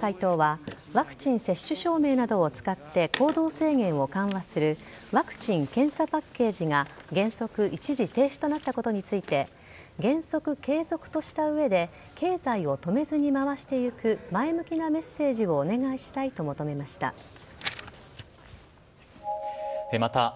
一方、三村会頭はワクチン接種証明などを使って行動制限を緩和するワクチン・検査パッケージが原則一時停止となったことについて原則、継続とした上で経済を止めずに回していく前向きなメッセージをお願いしたいと求めました。